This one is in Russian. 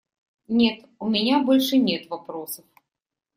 Нет, у меня больше нет вопросов.